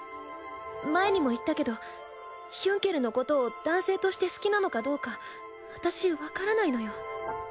前にも言ったけどヒュンケルのことを男性として好きなのかどうか私わからないのよ。